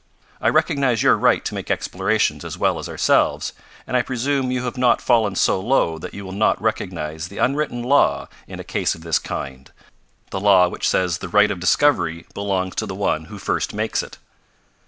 I recognize your right to make explorations as well as ourselves, and I presume you have not fallen so low that you will not recognize the unwritten law in a case of this kind the law which says the right of discovery belongs to the one who first makes it."